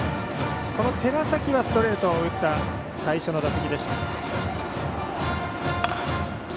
この寺崎はストレートを打った最初の打席でした。